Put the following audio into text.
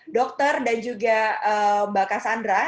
dokter dan juga mbak cassandra